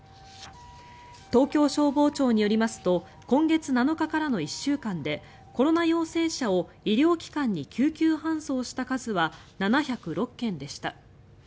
東京消防庁によりますと今月７日からの１週間でコロナ陽性者を医療機関に救急搬送した数は７０６件でした。